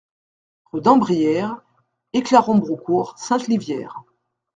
Rue d'Ambrieres, Éclaron-Braucourt-Sainte-Livière